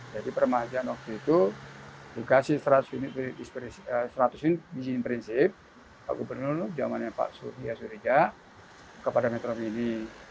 jadi permajaan waktu itu dikasih seratus inis prinsip pak gubernur zamannya pak surya sudirja kepada metro mini